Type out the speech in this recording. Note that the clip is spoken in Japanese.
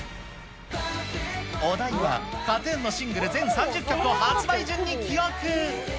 お題は、ＫＡＴーＴＵＮのシングル全３０曲を発売順に記憶。